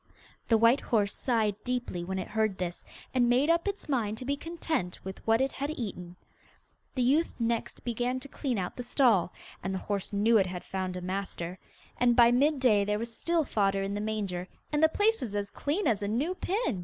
The white horse sighed deeply when it heard this, and made up its mind to be content with what it had eaten. The youth next began to clean out the stall, and the horse knew it had found a master; and by mid day there was still fodder in the manger, and the place was as clean as a new pin.